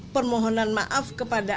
permohonan maaf kepada